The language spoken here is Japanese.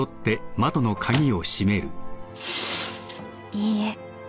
［いいえ。